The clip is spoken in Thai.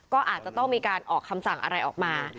ก็อาจจะต้องมีการออกคำสั่งอะไรออกมา